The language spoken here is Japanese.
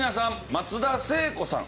松田聖子さん。